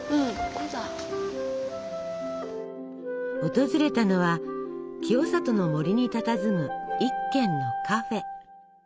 訪れたのは清里の森にたたずむ一軒のカフェ。